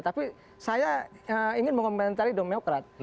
tapi saya ingin mengomentari demokrat